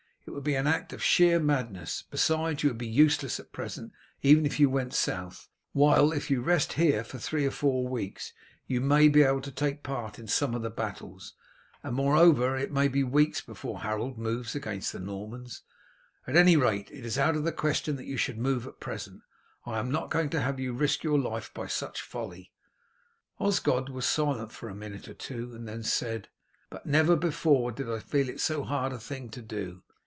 It would be an act of sheer madness. Besides, you would be useless at present even if you went south, while if you rest here for three or four weeks you may be able to take part in some of the battles; and, moreover, it may be weeks before Harold moves against the Normans. At any rate, it is out of the question that you should move at present. I am not going to have you risk your life by such folly." Osgod was silent for a minute or two and then said, "Well, master, I must obey your orders, but never before did I feel it so hard a thing to do."